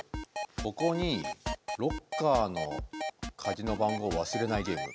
ここに「ロッカーの鍵の番号忘れないゲーム」。